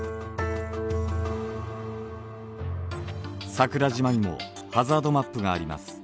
桜島にもハザードマップがあります。